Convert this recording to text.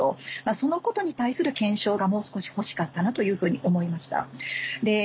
そのことに対する検証がもう少しほしかったなというふうに思いました。